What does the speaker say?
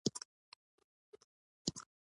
چې ژوند کول یې پر مخ هېر کړي او بس.